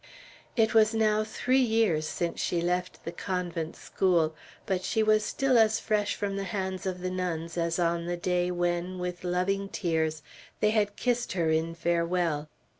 It was now three years since she left the convent school, but she was still as fresh from the hands of the nuns as on the day when, with loving tears, they had kissed her in farewell.